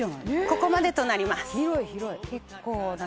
ここまでとなります。